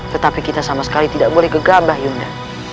tetapi kita sama sekali tidak boleh gegabah yuda